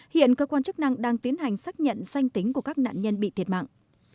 hiện cơ quan chức năng đang tiến hành xác nhận sanh tính của các nạn nhân bị thiệt mạng